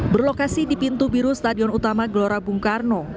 berlokasi di pintu biru stadion utama gelora bung karno